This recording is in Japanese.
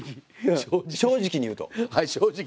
はい正直に言うと。